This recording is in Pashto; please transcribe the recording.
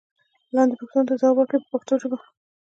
لاندې پوښتنو ته ځواب ورکړئ په پښتو ژبه.